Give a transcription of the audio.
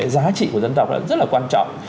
giá trị của dân tộc rất là quan trọng